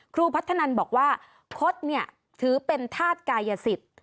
ครูพัฒนันบอกว่าคดเนี่ยถือเป็นธาตุกายสิทธิ์